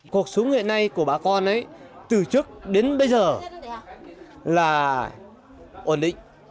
cuộc sống hiện nay của bà con ấy từ trước đến bây giờ là ổn định